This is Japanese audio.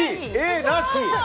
Ａなし！